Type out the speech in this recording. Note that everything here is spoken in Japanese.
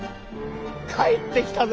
帰ってきたぜ！